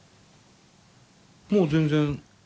もう全然？